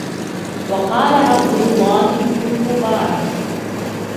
وَقَالَ عَبْدُ اللَّهِ بْنُ الْمُبَارَكِ